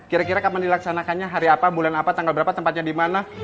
kira kira kapan dilaksanakannya hari apa bulan apa tanggal berapa tempatnya di mana